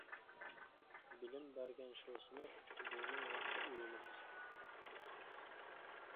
بىلىم بەرگەن شۇ سىنىپ، بىزنىڭ ياخشى ئۆيىمىز.